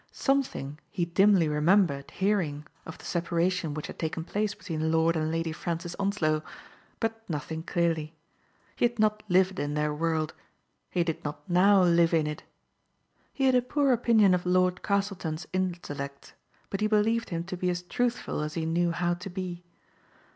*' Something he dimly remembered hearing of the separation which had taken place between Lord and Lady Francis Onslow ; but nothing clearly. He had not lived in their world ; he did not now live in it. Digitized by Google FRANCES RLEAMOk TROLLOPE, 29 He had a poor opinion of Lord Castleton's in tellect, but he believed him to be as truthful as he knew how to be.